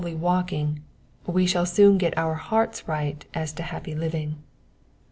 147 to holy walking, we shall soon get our hearts right as to happy living.